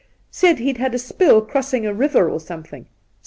Said he'd had a spill crossing a river or something.